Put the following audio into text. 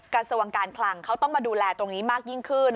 กระทรวงการคลังเขาต้องมาดูแลตรงนี้มากยิ่งขึ้น